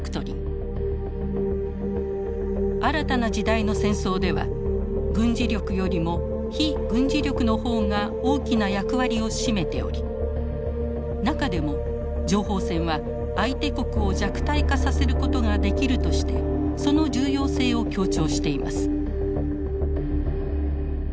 新たな時代の戦争では軍事力よりも非軍事力の方が大きな役割を占めており中でも「情報戦は相手国を弱体化させることができる」としてその重要性を強調しています。